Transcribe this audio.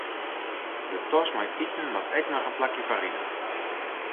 De tas mei iten moat ek mar in plakje foaryn ha.